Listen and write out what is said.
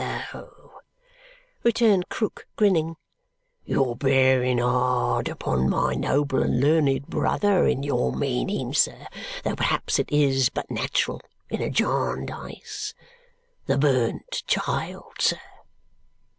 "Would you though?" returned Krook, grinning. "You're bearing hard upon my noble and learned brother in your meaning, sir, though perhaps it is but nat'ral in a Jarndyce. The burnt child, sir!